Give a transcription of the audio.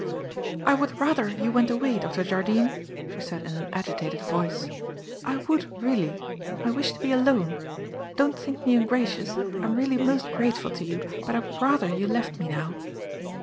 "I would rather you went away, Dr. Jardine," she said in an agitated voice. "I would, really. I wish to be alone. Don't think me ungracious. I am really most grateful to you, but I would rather you left me now."